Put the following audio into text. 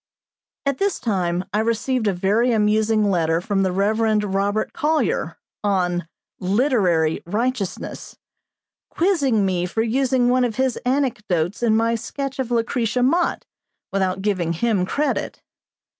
At this time I received a very amusing letter from the Rev. Robert Collyer, on "literary righteousness," quizzing me for using one of his anecdotes in my sketch of Lucretia Mott, without giving him credit.